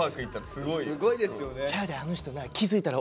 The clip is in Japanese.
すごいですよね！